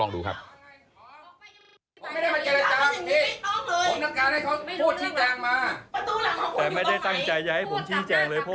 อันนี้ครับตัวแชนประชาชน